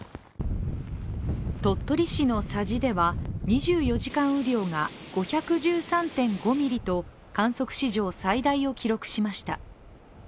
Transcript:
鳥取市の佐治では２４時間雨量が５１３．５ミリと観測史上、最大を記録しました。